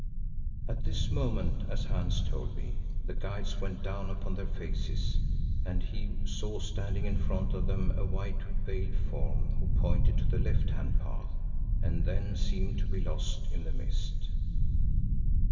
At this moment, as Hans told me, the guides went down upon their faces and he saw standing in front of them a white veiled form who pointed to the left hand path, and then seemed to be lost in the mist.